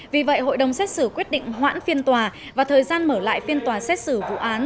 vì vậy hội đồng xét xử quyết định hoãn phiên tòa và thời gian mở lại phiên tòa xét xử vụ án